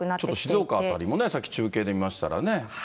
静岡辺りも、さっき中継で見ましたらね。